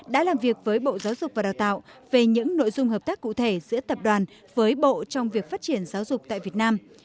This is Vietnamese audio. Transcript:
đã làm việc với bộ giáo dục và đào tạo về những nội dung hợp tác cụ thể giữa tập đoàn với bộ trong việc phát triển giáo dục tại việt nam